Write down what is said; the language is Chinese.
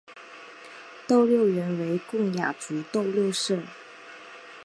斗六原为洪雅族斗六社。